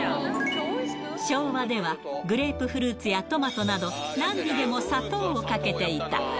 昭和では、グレープフルーツやトマトなど、なんにでも砂糖をかけていた。